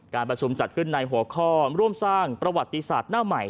การประชุมจัดขึ้นในหัวข้อร่วมสร้างประวัติศาสตร์หน้าใหม่